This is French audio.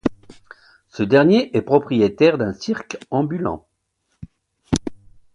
Ce dernier est propriétaire d'un cirque ambulant.